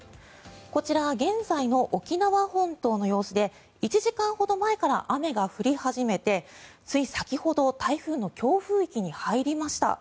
こちらは現在の沖縄本島の様子で１時間ほど前から雨が降り始めてつい先ほど台風の強風域に入りました。